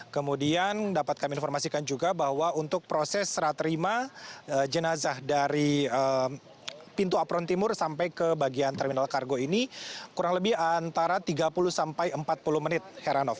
kemudian dapat kami informasikan juga bahwa untuk proses serah terima jenazah dari pintu apron timur sampai ke bagian terminal kargo ini kurang lebih antara tiga puluh sampai empat puluh menit heranov